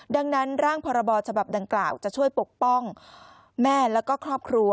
ดังนั้นร่างพรบฉบับดังกล่าวจะช่วยปกป้องแม่แล้วก็ครอบครัว